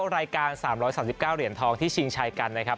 รายการ๓๓๙เหรียญทองที่ชิงชัยกันนะครับ